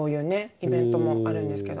イベントもあるんですけど。